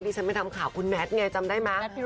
ตอนนี้ฉันไปทำข่าวคุณแมทย์ไงจำได้ไหม